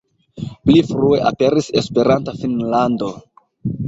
Pli frue aperis "Esperanta Finnlando".